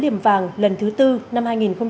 vua liềm vàng lần thứ bốn năm hai nghìn một mươi chín